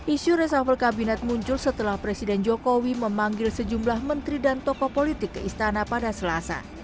isu resafel kabinet muncul setelah presiden jokowi memanggil sejumlah menteri dan tokoh politik ke istana pada selasa